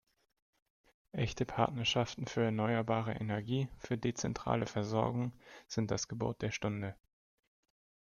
Echte Partnerschaften für erneuerbare Energie, für dezentrale Versorgung sind das Gebot der Stunde!